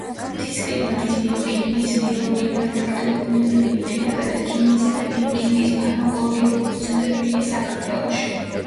მთის კლიმატის ბიოქიმიის, ბიოლოგიურად აქტიურ ბუნებრივ ნივთიერებათა ქიმიისა და ბიოქიმიის ფარმაკოლოგიური ფუძემდებელია საქართველოში.